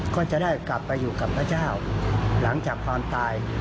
ก็จะได้กลับไปอยู่กับพระเจ้าหลังจากความตาย